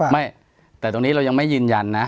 ไม่แต่ตรงนี้เรายังไม่ยืนยันนะ